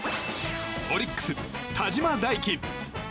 オリックス、田嶋大樹。